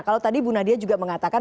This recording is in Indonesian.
kalau tadi bu nadia juga mengatakan